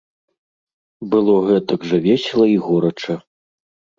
Было гэтак жа весела і горача.